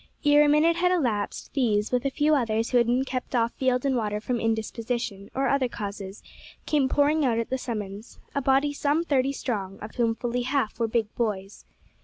Ere a minute had elapsed these, with a few others who had been kept off field and water from indisposition, or other causes, came pouring out at the summons a body some thirty strong, of whom fully half were big boys.